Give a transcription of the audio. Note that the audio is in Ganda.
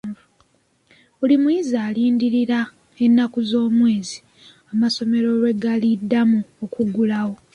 Buli muyizi alindirira ennaku z'omwezi amasomero lwe galiddamu okuggulawo.